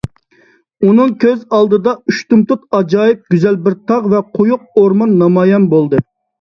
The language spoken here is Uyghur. ئۇنىڭ كۆز ئالدىدا ئۇشتۇمتۇت ئاجايىپ گۈزەل بىر تاغ ۋە قويۇق ئورمان نامايان بولدى.